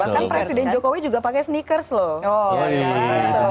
kan presiden jokowi juga pakai sneakers loh